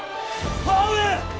母上！